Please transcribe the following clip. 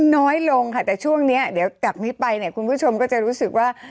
น้อยลงค่ะแต่ช่วงนี้เดี๋ยวจากนี้ไปเนี่ยคุณผู้ชมก็จะรู้สึกว่า